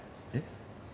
えっ？